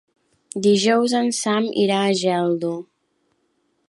Dijous en Sam irà a Geldo.